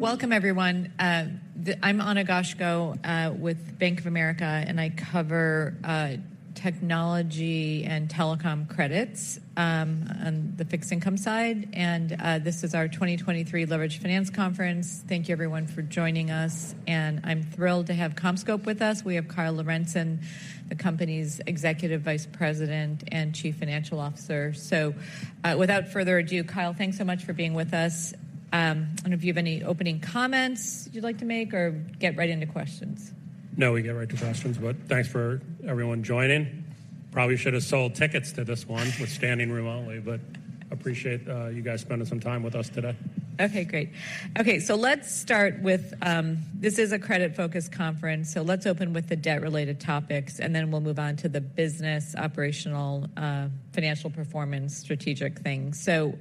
Welcome, everyone. I'm Ana Goshko with Bank of America, and I cover technology and telecom credits on the fixed income side. This is our 2023 Leveraged Finance Conference. Thank you, everyone, for joining us, and I'm thrilled to have CommScope with us. We have Kyle Lorentzen, the company's Executive Vice President and Chief Financial Officer. So, without further ado, Kyle, thanks so much for being with us. I don't know if you have any opening comments you'd like to make or get right into questions? No, we get right to questions, but thanks for everyone joining. Probably should have sold tickets to this one with standing room only, but appreciate, you guys spending some time with us today. Okay, great. Okay, so let's start with, this is a credit-focused conference, so let's open with the debt-related topics, and then we'll move on to the business, operational, financial performance, strategic things. So,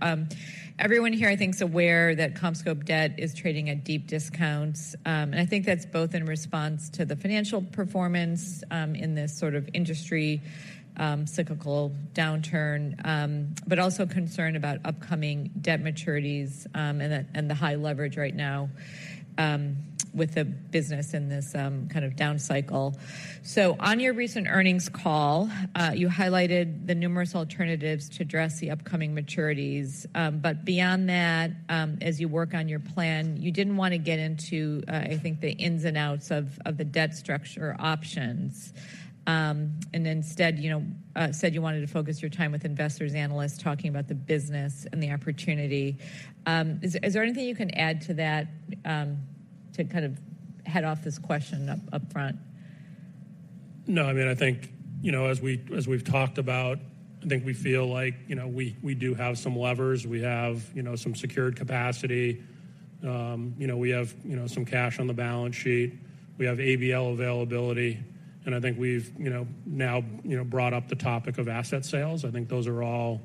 everyone here, I think, is aware that CommScope debt is trading at deep discounts. And I think that's both in response to the financial performance, in this sort of industry, cyclical downturn, but also concerned about upcoming debt maturities, and the high leverage right now, with the business in this, kind of down cycle. So on your recent earnings call, you highlighted the numerous alternatives to address the upcoming maturities. But beyond that, as you work on your plan, you didn't want to get into, I think the ins and outs of the debt structure options. And instead, you know, said you wanted to focus your time with investors, analysts, talking about the business and the opportunity. Is there anything you can add to that, to kind of head off this question upfront? No, I mean, I think, you know, as we, as we've talked about, I think we feel like, you know, we do have some levers. We have, you know, some secured capacity. You know, we have, you know, some cash on the balance sheet. We have ABL availability, and I think we've, you know, now, you know, brought up the topic of asset sales. I think those are all,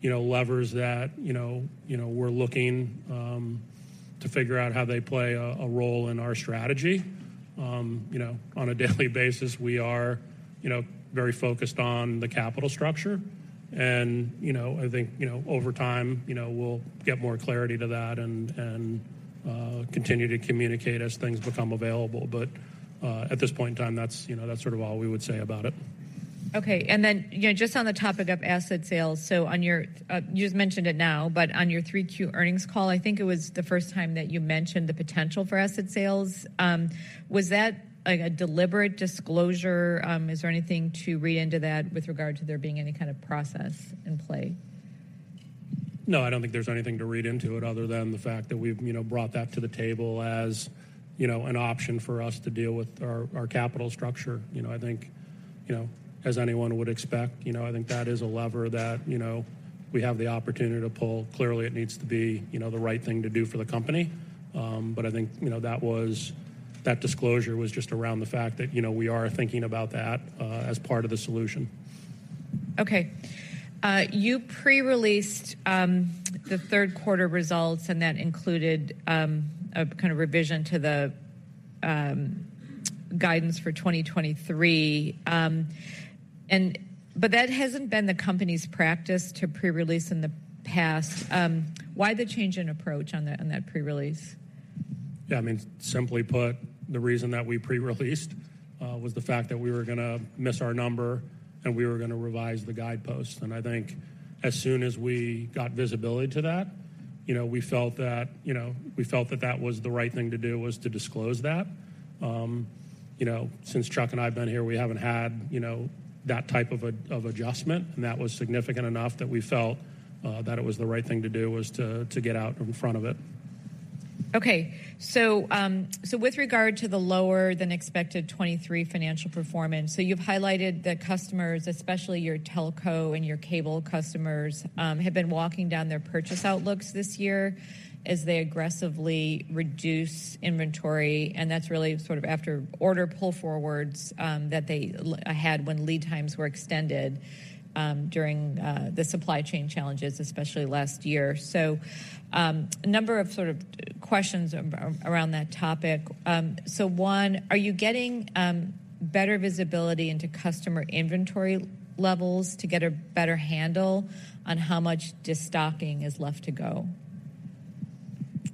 you know, levers that, you know, we're looking to figure out how they play a role in our strategy. You know, on a daily basis, we are, you know, very focused on the capital structure. And, you know, I think, you know, over time, you know, we'll get more clarity to that and continue to communicate as things become available. At this point in time, that's, you know, that's sort of all we would say about it. Okay. And then, you know, just on the topic of asset sales, so on your 3Q earnings call, I think it was the first time that you mentioned the potential for asset sales. Was that, like, a deliberate disclosure? Is there anything to read into that with regard to there being any kind of process in play? No, I don't think there's anything to read into it other than the fact that we've, you know, brought that to the table as, you know, an option for us to deal with our capital structure. You know, I think, you know, as anyone would expect, you know, I think that is a lever that, you know, we have the opportunity to pull. Clearly, it needs to be, you know, the right thing to do for the company. But I think, you know, that disclosure was just around the fact that, you know, we are thinking about that as part of the solution. Okay. You pre-released the third quarter results, and that included a kind of revision to the guidance for 2023. But that hasn't been the company's practice to pre-release in the past. Why the change in approach on that, on that pre-release? Yeah, I mean, simply put, the reason that we pre-released was the fact that we were gonna miss our number, and we were gonna revise the guideposts. I think as soon as we got visibility to that, you know, we felt that, you know, we felt that that was the right thing to do, was to disclose that. You know, since Chuck and I have been here, we haven't had, you know, that type of a, of adjustment, and that was significant enough that we felt that it was the right thing to do, was to, to get out in front of it. Okay. So with regard to the lower-than-expected 2023 financial performance, you've highlighted the customers, especially your telco and your cable customers, have been walking down their purchase outlooks this year as they aggressively reduce inventory, and that's really sort of after order pull forwards that they had when lead times were extended during the supply chain challenges, especially last year. So a number of sort of questions around that topic. So one, are you getting better visibility into customer inventory levels to get a better handle on how much destocking is left to go?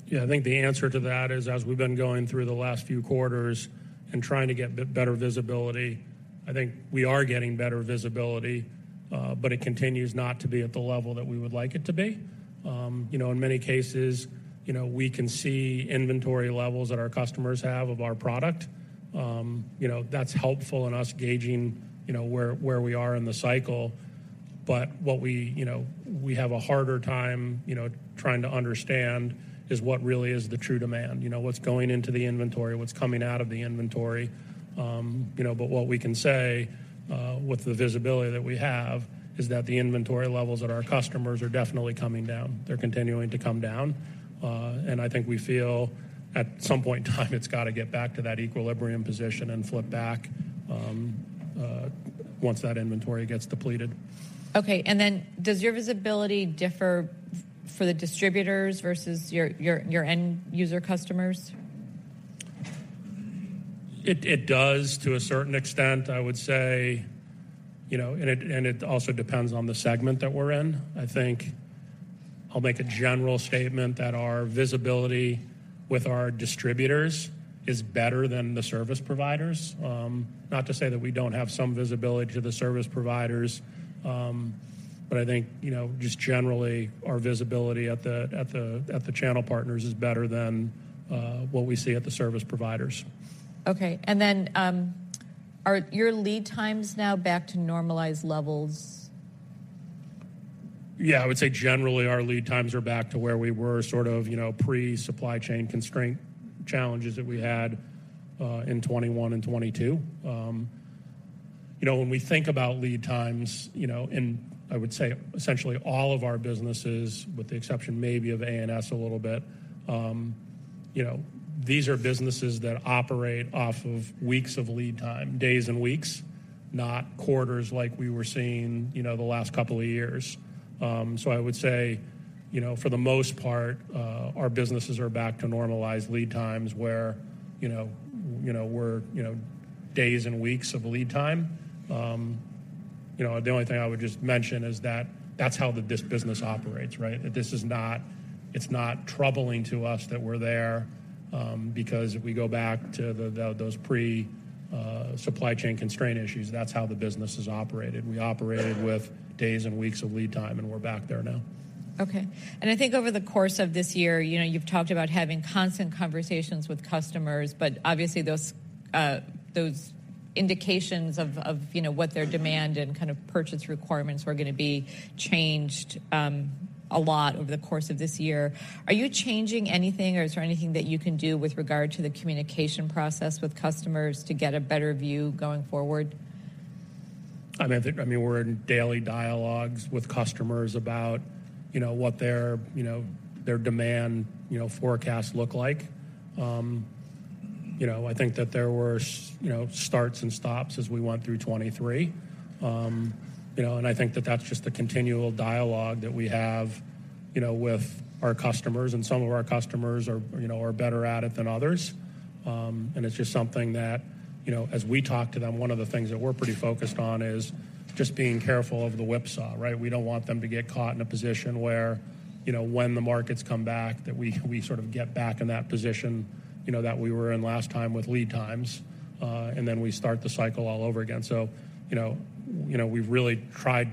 Yeah, I think the answer to that is, as we've been going through the last few quarters and trying to get better visibility, I think we are getting better visibility, but it continues not to be at the level that we would like it to be. You know, in many cases, you know, we can see inventory levels that our customers have of our product. You know, that's helpful in us gauging, you know, where we are in the cycle. But what we, you know, we have a harder time, you know, trying to understand is what really is the true demand, you know, what's going into the inventory, what's coming out of the inventory. You know, but what we can say, with the visibility that we have, is that the inventory levels at our customers are definitely coming down. They're continuing to come down, and I think we feel at some point in time, it's got to get back to that equilibrium position and flip back, once that inventory gets depleted. Okay, and then does your visibility differ for the distributors versus your end-user customers?... It does to a certain extent, I would say, you know, and it also depends on the segment that we're in. I think I'll make a general statement that our visibility with our distributors is better than the service providers. Not to say that we don't have some visibility to the service providers, but I think, you know, just generally, our visibility at the channel partners is better than what we see at the service providers. Okay. And then, are your lead times now back to normalized levels? Yeah, I would say generally our lead times are back to where we were, sort of, you know, pre-supply chain constraint challenges that we had in 2021 and 2022. You know, when we think about lead times, you know, and I would say essentially all of our businesses, with the exception maybe of ANS a little bit, you know, these are businesses that operate off of weeks of lead time, days and weeks, not quarters like we were seeing, you know, the last couple of years. So I would say, you know, for the most part, our businesses are back to normalized lead times where, you know, you know, we're, you know, days and weeks of lead time. You know, the only thing I would just mention is that that's how this business operates, right? This is not. It's not troubling to us that we're there, because if we go back to those pre-supply chain constraint issues, that's how the business is operated. We operated with days and weeks of lead time, and we're back there now. Okay. I think over the course of this year, you know, you've talked about having constant conversations with customers, but obviously those indications of, you know, what their demand and kind of purchase requirements were gonna be changed a lot over the course of this year. Are you changing anything, or is there anything that you can do with regard to the communication process with customers to get a better view going forward? I mean, I think, I mean, we're in daily dialogues with customers about, you know, what their, you know, their demand, you know, forecasts look like. You know, I think that there were you know, starts and stops as we went through 2023. You know, and I think that that's just the continual dialogue that we have, you know, with our customers, and some of our customers are, you know, are better at it than others. And it's just something that, you know, as we talk to them, one of the things that we're pretty focused on is just being careful of the whipsaw, right? We don't want them to get caught in a position where, you know, when the markets come back, that we sort of get back in that position, you know, that we were in last time with lead times, and then we start the cycle all over again. So, you know, we've really tried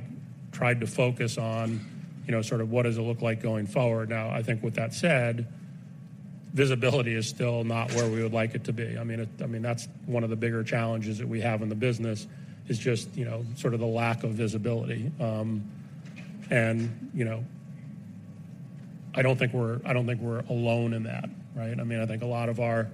to focus on, you know, sort of what does it look like going forward. Now, I think with that said, visibility is still not where we would like it to be. I mean, that's one of the bigger challenges that we have in the business, is just, you know, sort of the lack of visibility. And, you know, I don't think we're alone in that, right? I mean, I think a lot of our,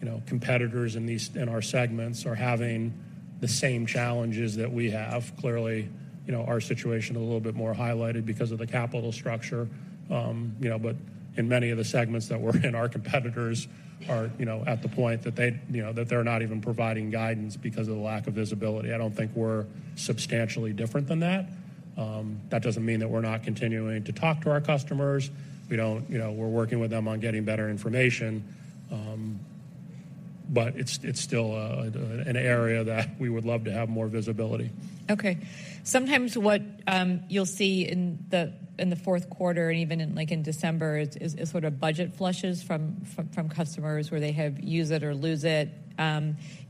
you know, competitors in these, in our segments are having the same challenges that we have. Clearly, you know, our situation a little bit more highlighted because of the capital structure. You know, but in many of the segments that we're in, our competitors are, you know, at the point that they, you know, that they're not even providing guidance because of the lack of visibility. I don't think we're substantially different than that. That doesn't mean that we're not continuing to talk to our customers. You know, we're working with them on getting better information, but it's, it's still an area that we would love to have more visibility. Okay. Sometimes what you'll see in the fourth quarter and even in, like, December is sort of budget flushes from customers where they have use it or lose it.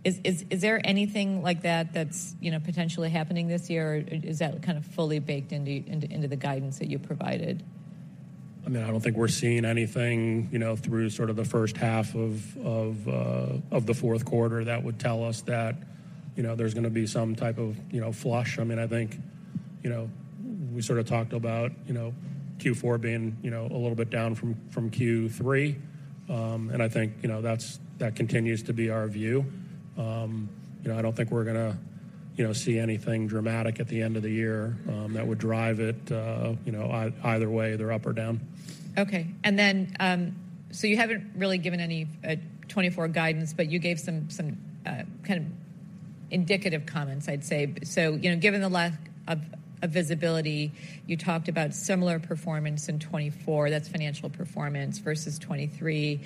Is there anything like that that's, you know, potentially happening this year, or is that kind of fully baked into the guidance that you provided? I mean, I don't think we're seeing anything, you know, through sort of the first half of the fourth quarter that would tell us that, you know, there's gonna be some type of, you know, flush. I mean, I think, you know, we sort of talked about, you know, Q4 being, you know, a little bit down from Q3. And I think, you know, that's that continues to be our view. You know, I don't think we're gonna, you know, see anything dramatic at the end of the year that would drive it, you know, either way, either up or down. Okay. And then, so you haven't really given any 2024 guidance, but you gave some kind of indicative comments, I'd say. So, you know, given the lack of visibility, you talked about similar performance in 2024, that's financial performance, versus 2023.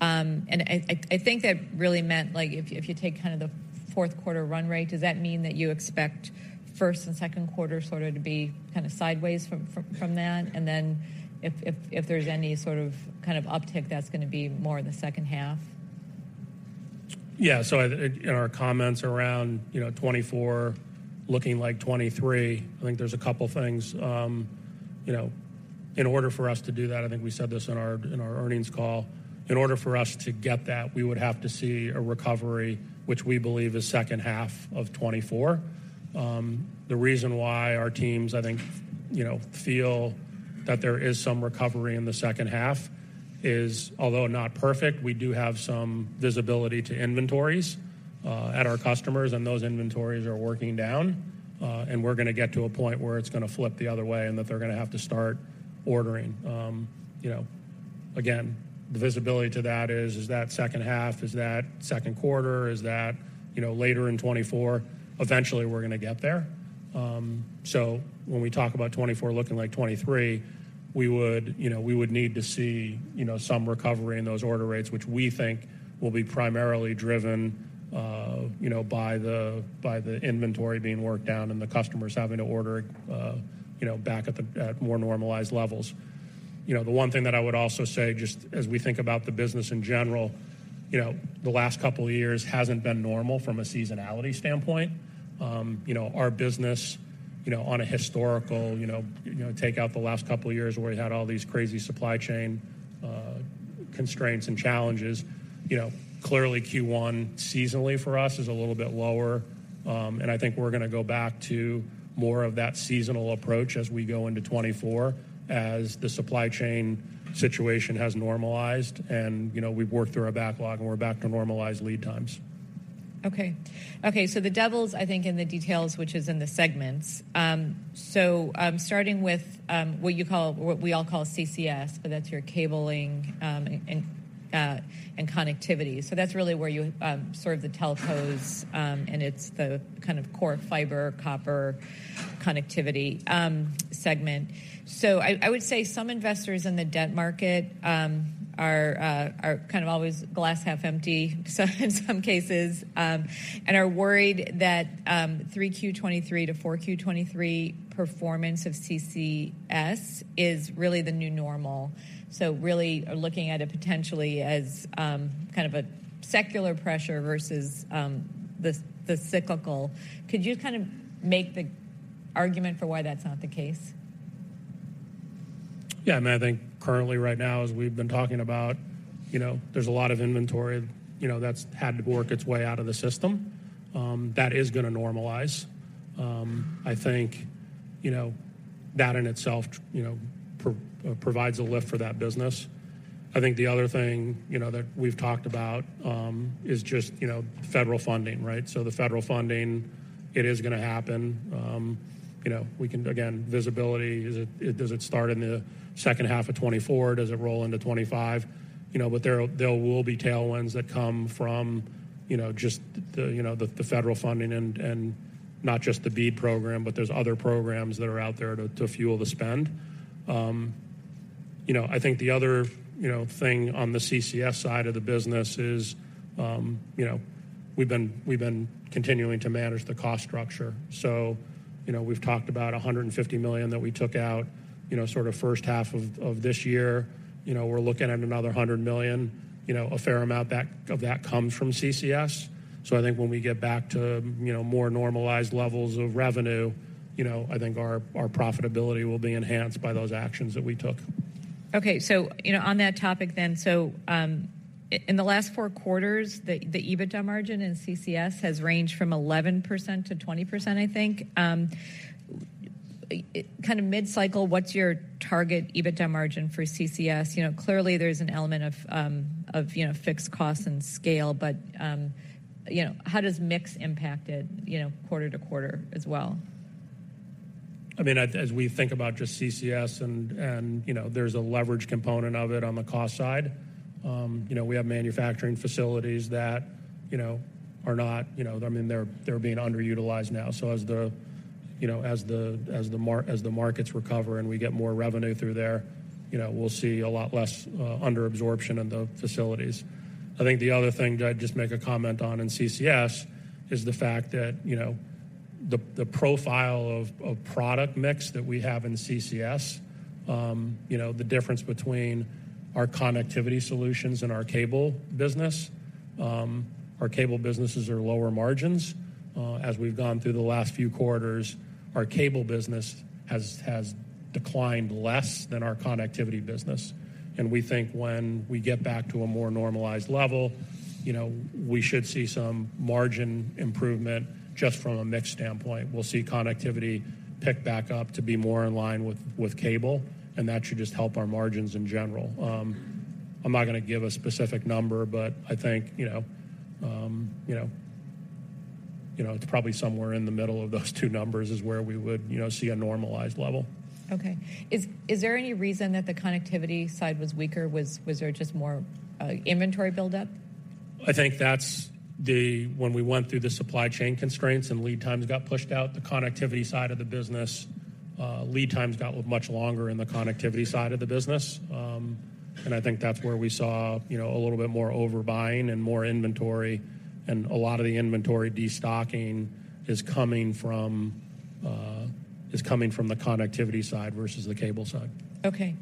And I think that really meant, like, if you take kind of the fourth quarter run rate, does that mean that you expect first and second quarter sort of to be kind of sideways from that? And then if there's any sort of kind of uptick, that's gonna be more in the second half? Yeah. So I, in our comments around, you know, 2024 looking like 2023, I think there's a couple things. You know, in order for us to do that, I think we said this in our, in our earnings call. In order for us to get that, we would have to see a recovery, which we believe is second half of 2024. The reason why our teams, I think, you know, feel that there is some recovery in the second half is, although not perfect, we do have some visibility to inventories, at our customers, and those inventories are working down. And we're gonna get to a point where it's gonna flip the other way, and that they're gonna have to start ordering. You know, again, the visibility to that is, is that second half? Is that second quarter? Is that, you know, later in 2024? Eventually, we're gonna get there. So when we talk about 2024 looking like 2023, we would, you know, we would need to see, you know, some recovery in those order rates, which we think will be primarily driven, you know, by the inventory being worked down and the customers having to order, you know, back at more normalized levels. You know, the one thing that I would also say, just as we think about the business in general, you know, the last couple of years hasn't been normal from a seasonality standpoint. You know, our business, you know, on a historical, you know, take out the last couple of years where we had all these crazy supply chain constraints and challenges, you know, clearly Q1 seasonally for us is a little bit lower. I think we're gonna go back to more of that seasonal approach as we go into 2024, as the supply chain situation has normalized and, you know, we've worked through our backlog and we're back to normalized lead times. Okay. Okay, so the devil's, I think, in the details, which is in the segments. So, starting with what you call-- what we all call CCS, but that's your cabling and connectivity. So that's really where you sort of the telcos, and it's the kind of core fiber, copper connectivity segment. So I would say some investors in the debt market are kind of always glass half empty, so in some cases, and are worried that 3Q2023-4Q2023 performance of CCS is really the new normal. So really are looking at it potentially as kind of a secular pressure versus the cyclical. Could you kind of make the argument for why that's not the case? Yeah, I mean, I think currently right now, as we've been talking about, you know, there's a lot of inventory, you know, that's had to work its way out of the system. That is gonna normalize. I think, you know, that in itself, you know, provides a lift for that business. I think the other thing, you know, that we've talked about, is just, you know, federal funding, right? So the federal funding, it is gonna happen. You know, we can again, visibility, is it, does it start in the second half of 2024? Does it roll into 2025? You know, but there, there will be tailwinds that come from, you know, just the, you know, the, the federal funding and, and not just the BEAD program, but there's other programs that are out there to, to fuel the spend. You know, I think the other, you know, thing on the CCS side of the business is, you know, we've been, we've been continuing to manage the cost structure. So, you know, we've talked about $150 million that we took out, you know, sort of first half of this year. You know, we're looking at another $100 million, you know, a fair amount of that, of that comes from CCS. So I think when we get back to, you know, more normalized levels of revenue, you know, I think our, our profitability will be enhanced by those actions that we took. Okay, so you know, on that topic then, in the last four quarters, the EBITDA margin in CCS has ranged from 11%-20%, I think. Kind of mid-cycle, what's your target EBITDA margin for CCS? You know, clearly there's an element of fixed costs and scale, but you know, how does mix impact it, you know, quarter to quarter as well? I mean, as we think about just CCS and, you know, there's a leverage component of it on the cost side. You know, we have manufacturing facilities that, you know, are not... I mean, they're being underutilized now. So as the markets recover and we get more revenue through there, you know, we'll see a lot less under absorption in the facilities. I think the other thing that I'd just make a comment on in CCS is the fact that, you know, the profile of product mix that we have in CCS, you know, the difference between our connectivity solutions and our cable business. Our cable businesses are lower margins. As we've gone through the last few quarters, our cable business has declined less than our connectivity business. We think when we get back to a more normalized level, you know, we should see some margin improvement just from a mix standpoint. We'll see connectivity pick back up to be more in line with, with cable, and that should just help our margins in general. I'm not gonna give a specific number, but I think, you know, you know, you know, it's probably somewhere in the middle of those two numbers is where we would, you know, see a normalized level. Okay. Is there any reason that the connectivity side was weaker? Was there just more inventory buildup? I think that's when we went through the supply chain constraints and lead times got pushed out, the connectivity side of the business, lead times got much longer in the connectivity side of the business. And I think that's where we saw, you know, a little bit more overbuying and more inventory, and a lot of the inventory destocking is coming from the connectivity side versus the cable side. Okay.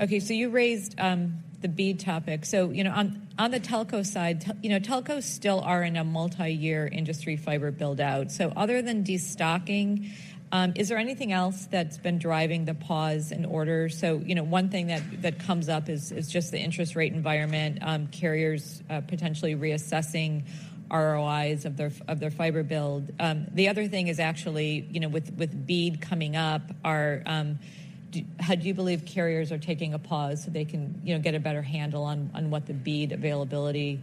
Okay, so you raised the BEAD topic. So, you know, on the telco side, you know, telcos still are in a multi-year industry fiber build-out. So other than destocking, is there anything else that's been driving the pause in order? So, you know, one thing that comes up is just the interest rate environment, carriers potentially reassessing ROIs of their fiber build. The other thing is actually, you know, with BEAD coming up, do you believe carriers are taking a pause so they can, you know, get a better handle on what the BEAD availability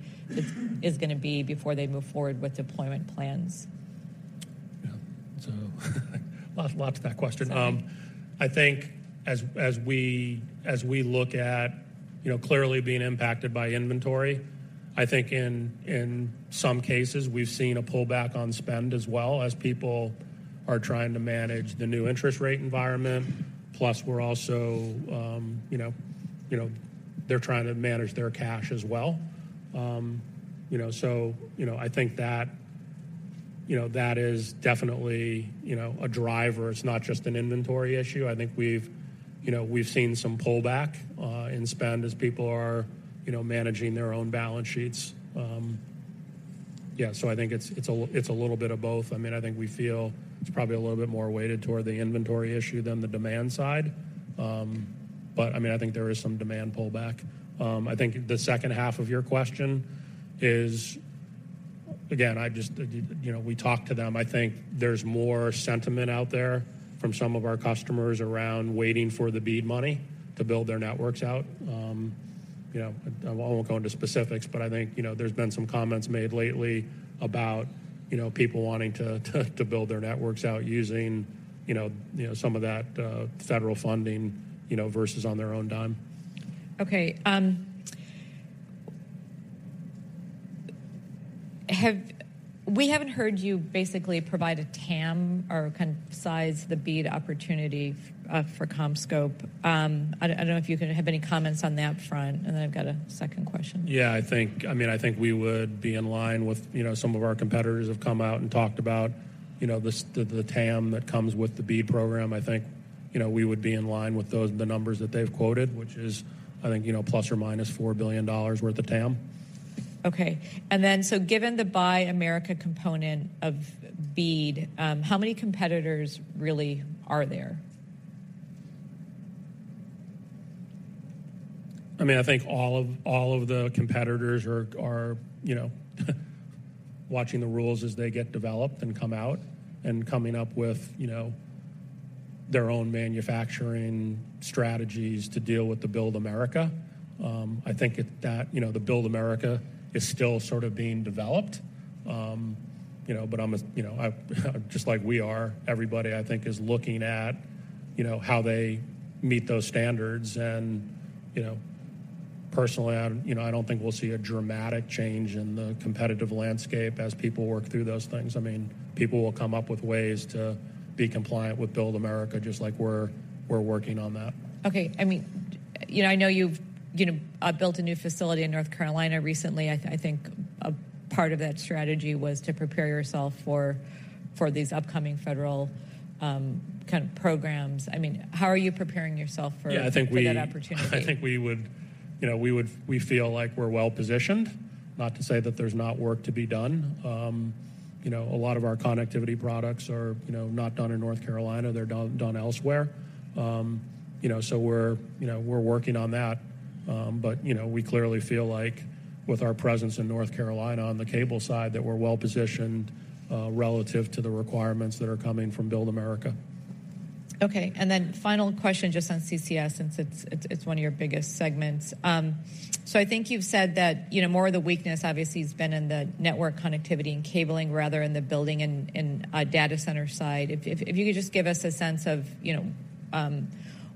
is gonna be before they move forward with deployment plans? Yeah. So lot, lot to that question. Right. I think as we look at, you know, clearly being impacted by inventory. I think in some cases, we've seen a pullback on spend as well, as people are trying to manage the new interest rate environment. Plus, we're also, you know, they're trying to manage their cash as well. You know, so, you know, I think that, you know, that is definitely, you know, a driver. It's not just an inventory issue. I think we've, you know, seen some pullback in spend as people are, you know, managing their own balance sheets. Yeah, so I think it's a little bit of both. I mean, I think we feel it's probably a little bit more weighted toward the inventory issue than the demand side. But I mean, I think there is some demand pullback. I think the second half of your question is, again, I just, you know, we talked to them. I think there's more sentiment out there from some of our customers around waiting for the BEAD money to build their networks out. You know, I won't go into specifics, but I think, you know, there's been some comments made lately about, you know, people wanting to build their networks out using, you know, some of that federal funding, you know, versus on their own dime. Okay, we haven't heard you basically provide a TAM or kind of size the BEAD opportunity for CommScope. I don't know if you can have any comments on that front, and then I've got a second question. Yeah, I think, I mean, I think we would be in line with, you know, some of our competitors have come out and talked about, you know, the TAM that comes with the BEAD program. I think, you know, we would be in line with those, the numbers that they've quoted, which is, I think, you know, ± $4 billion worth of TAM. Okay. And then, so given the Buy America component of BEAD, how many competitors really are there? I mean, I think all of the competitors are, you know, watching the rules as they get developed and come out, and coming up with, you know, their own manufacturing strategies to deal with the Build America. I think that, you know, the Build America is still sort of being developed. You know, but just like we are, everybody, I think, is looking at, you know, how they meet those standards. And, you know, personally, I, you know, I don't think we'll see a dramatic change in the competitive landscape as people work through those things. I mean, people will come up with ways to be compliant with Build America, just like we're working on that. Okay. I mean, you know, I know you've, you know, built a new facility in North Carolina recently. I think a part of that strategy was to prepare yourself for these upcoming federal kind of programs. I mean, how are you preparing yourself for- Yeah, I think we- for that opportunity? I think we would, you know, we feel like we're well-positioned. Not to say that there's not work to be done. You know, a lot of our connectivity products are, you know, not done in North Carolina, they're done elsewhere. You know, so we're, you know, we're working on that. But, you know, we clearly feel like with our presence in North Carolina on the cable side, that we're well-positioned relative to the requirements that are coming from Build America. Okay, and then final question, just on CCS, since it's one of your biggest segments. So I think you've said that, you know, more of the weakness obviously has been in the network connectivity and cabling rather in the building and data center side. If you could just give us a sense of, you know,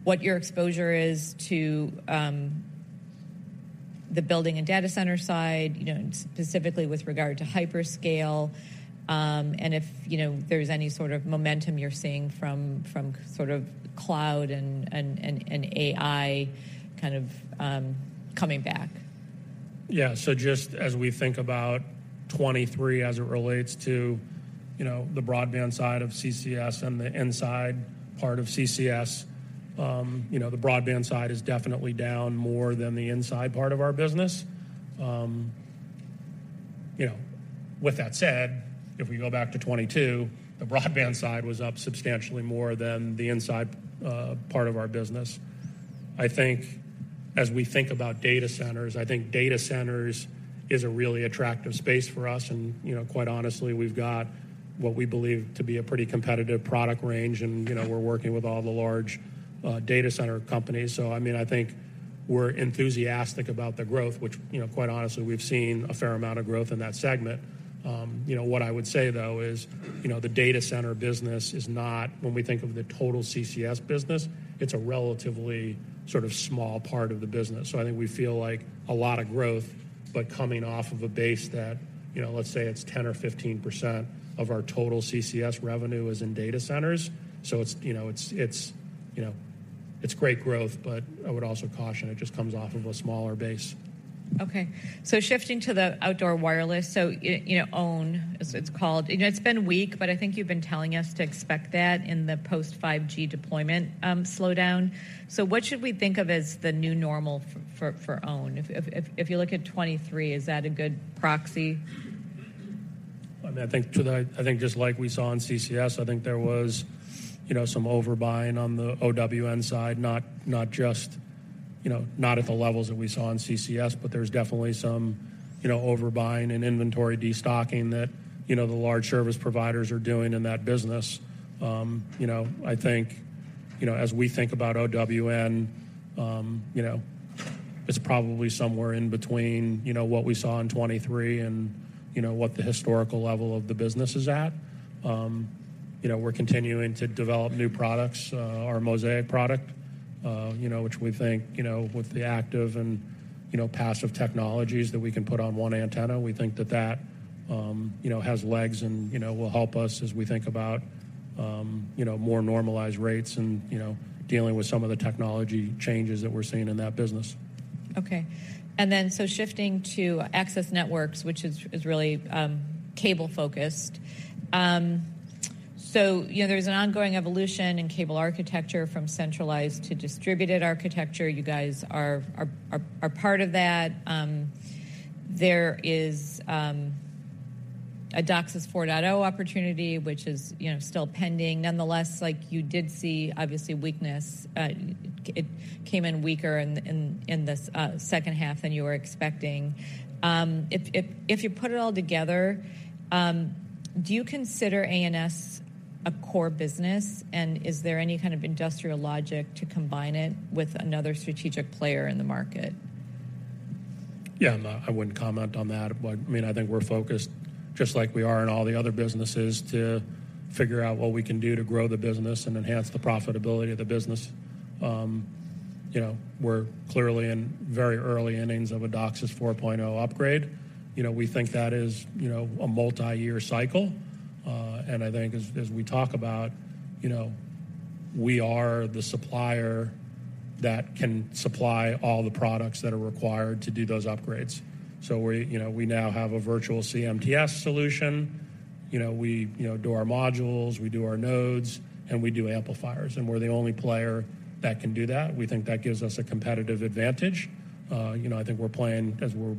what your exposure is to the building and data center side, you know, and specifically with regard to hyperscale, and if, you know, there's any sort of momentum you're seeing from sort of cloud and AI kind of coming back. Yeah. So just as we think about 2023 as it relates to, you know, the broadband side of CCS and the inside part of CCS, you know, the broadband side is definitely down more than the inside part of our business. You know, with that said, if we go back to 2022, the broadband side was up substantially more than the inside, part of our business. I think as we think about data centers, I think data centers is a really attractive space for us and, you know, quite honestly, we've got what we believe to be a pretty competitive product range and, you know, we're working with all the large, data center companies. So I mean, I think we're enthusiastic about the growth, which, you know, quite honestly, we've seen a fair amount of growth in that segment. You know, what I would say, though, is, you know, the data center business is not, when we think of the total CCS business, it's a relatively sort of small part of the business. So I think we feel like a lot of growth, but coming off of a base that, you know, let's say it's 10% or 15% of our total CCS revenue is in data centers. So it's, you know, great growth, but I would also caution it just comes off of a smaller base. Okay, so shifting to the outdoor wireless, so you know, OWN, as it's called, you know, it's been weak, but I think you've been telling us to expect that in the post-5G deployment slowdown. So what should we think of as the new normal for OWN? If you look at 2023, is that a good proxy? I think just like we saw in CCS, I think there was, you know, some overbuying on the OWN side, not, not just, you know, not at the levels that we saw in CCS, but there's definitely some, you know, overbuying and inventory destocking that, you know, the large service providers are doing in that business. You know, I think, you know, as we think about OWN, you know, it's probably somewhere in between, you know, what we saw in 2023 and, you know, what the historical level of the business is at. You know, we're continuing to develop new products. Our Mosaic product. You know, which we think, you know, with the active and passive technologies that we can put on one antenna, we think that that, you know, has legs and, you know, will help us as we think about, you know, more normalized rates and, you know, dealing with some of the technology changes that we're seeing in that business. Okay. So shifting to access networks, which is really cable-focused. So, you know, there's an ongoing evolution in cable architecture from centralized to distributed architecture. You guys are part of that. There is a DOCSIS 4.0 opportunity, which is, you know, still pending. Nonetheless, like, you did see obviously weakness. It came in weaker in this second half than you were expecting. If you put it all together, do you consider ANS a core business, and is there any kind of industrial logic to combine it with another strategic player in the market? Yeah, no, I wouldn't comment on that. But, I mean, I think we're focused, just like we are in all the other businesses, to figure out what we can do to grow the business and enhance the profitability of the business. You know, we're clearly in very early innings of a DOCSIS 4.0 upgrade. You know, we think that is, you know, a multiyear cycle. And I think as we talk about, you know, we are the supplier that can supply all the products that are required to do those upgrades. So we're, you know, we now have a virtual CMTS solution. You know, we, you know, do our modules, we do our nodes, and we do amplifiers, and we're the only player that can do that. We think that gives us a competitive advantage. You know, I think we're playing, as we're,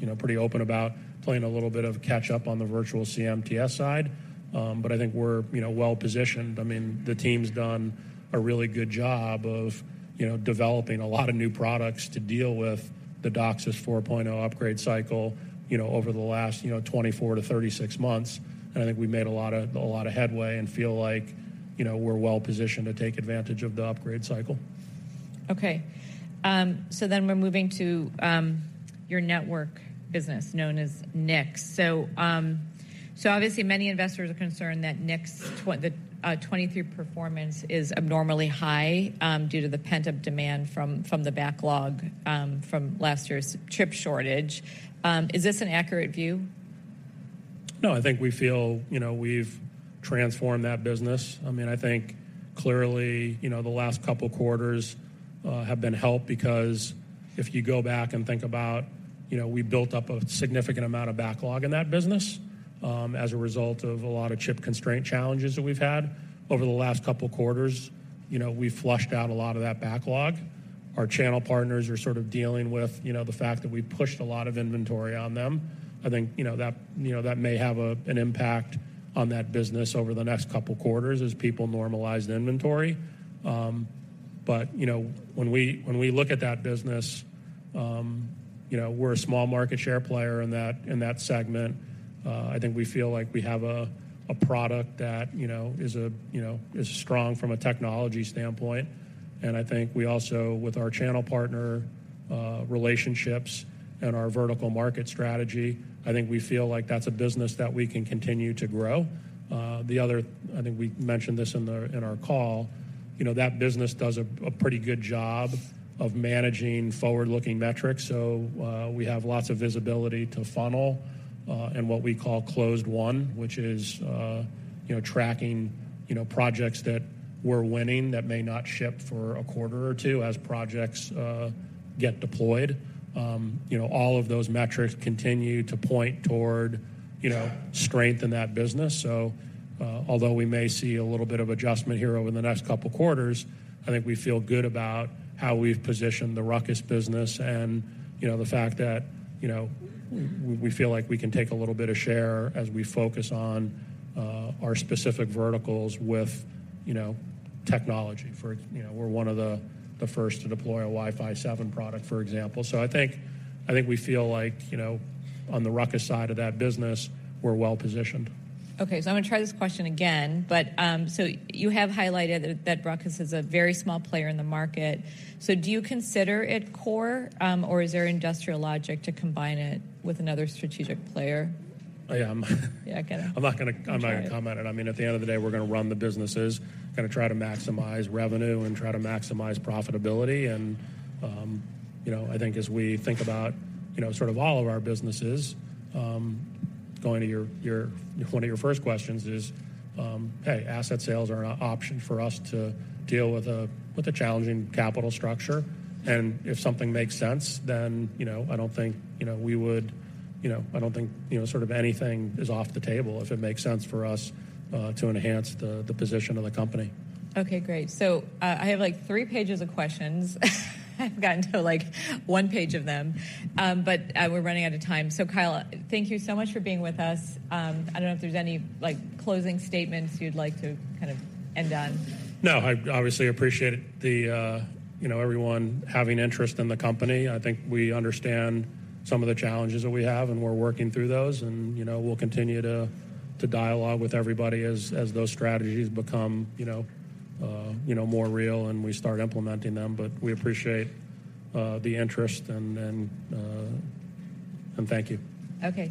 you know, pretty open about playing a little bit of catch-up on the virtual CMTS side. But I think we're, you know, well-positioned. I mean, the team's done a really good job of, you know, developing a lot of new products to deal with the DOCSIS 4.0 upgrade cycle, you know, over the last, you know, 24-36 months. And I think we've made a lot of, a lot of headway and feel like, you know, we're well positioned to take advantage of the upgrade cycle. Okay. So then we're moving to your network business, known as NICS. So obviously many investors are concerned that NICS 2023 performance is abnormally high, due to the pent-up demand from the backlog, from last year's chip shortage. Is this an accurate view? No, I think we feel, you know, we've transformed that business. I mean, I think clearly, you know, the last couple of quarters have been helped because if you go back and think about, you know, we built up a significant amount of backlog in that business as a result of a lot of chip constraint challenges that we've had. Over the last couple of quarters, you know, we flushed out a lot of that backlog. Our channel partners are sort of dealing with, you know, the fact that we pushed a lot of inventory on them. I think, you know, that, you know, that may have a, an impact on that business over the next couple of quarters as people normalize the inventory. But, you know, when we look at that business, you know, we're a small market share player in that segment. I think we feel like we have a product that, you know, is strong from a technology standpoint. And I think we also, with our channel partner relationships and our vertical market strategy, I think we feel like that's a business that we can continue to grow. The other... I think we mentioned this in our call, you know, that business does a pretty good job of managing forward-looking metrics. So, we have lots of visibility to funnel in what we call closed won, which is, you know, tracking projects that we're winning that may not ship for a quarter or two as projects get deployed. You know, all of those metrics continue to point toward, you know, strength in that business. So, although we may see a little bit of adjustment here over the next couple of quarters, I think we feel good about how we've positioned the RUCKUS business and, you know, the fact that, you know, we feel like we can take a little bit of share as we focus on, our specific verticals with, you know, technology. For example, you know, we're one of the first to deploy a Wi-Fi 7 product. So I think we feel like, you know, on the RUCKUS side of that business, we're well positioned. Okay, so I'm going to try this question again. But, so you have highlighted that that RUCKUS is a very small player in the market. So do you consider it core, or is there industrial logic to combine it with another strategic player? Yeah, I'm- Yeah, I get it. I'm not gonna- Okay. I'm not gonna comment on it. I mean, at the end of the day, we're going to run the businesses, gonna try to maximize revenue and try to maximize profitability. You know, I think as we think about, you know, sort of all of our businesses, going to one of your first questions is, hey, asset sales are an option for us to deal with a challenging capital structure. If something makes sense, then, you know, I don't think, you know, sort of anything is off the table, if it makes sense for us to enhance the position of the company. Okay, great. So, I have, like, three pages of questions. I've gotten to, like, one page of them, but we're running out of time. So, Kyle, thank you so much for being with us. I don't know if there's any, like, closing statements you'd like to kind of end on? No, I obviously appreciate the, you know, everyone having interest in the company. I think we understand some of the challenges that we have, and we're working through those. And, you know, we'll continue to dialogue with everybody as those strategies become, you know, more real and we start implementing them. But we appreciate the interest, and then, and thank you. Okay.